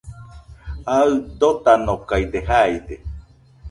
Aɨ dotanokaide jaide